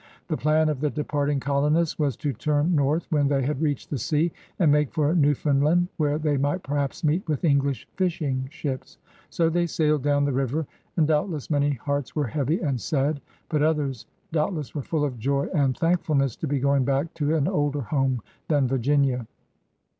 The plan of the departing colonists was to turn north, when they had reached the sea, and make for Newfoimdland, where they might perhaps meet with English fishing ships. So they sailed down the river, and doubtless many hearts were heavy and sad, but others doubtless were full of joy and — amy ni^maammmtmmmmma^mtm^^^ THE SEA ADVENTURE 71 tJiankfiilnftfw to be going back to an older home than Viiginia.